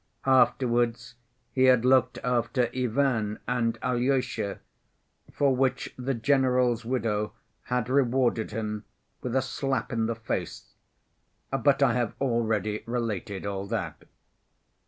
Afterwards he had looked after Ivan and Alyosha, for which the general's widow had rewarded him with a slap in the face; but I have already related all that.